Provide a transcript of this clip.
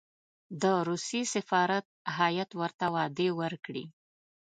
د روسیې سفارت هېئت ورته وعدې ورکړې.